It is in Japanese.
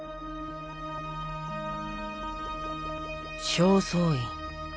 正倉院。